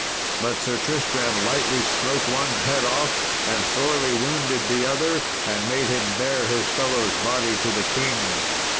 But Sir Tristram lightly smote one's head off, and sorely wounded the other, and made him bear his fellow's body to the king.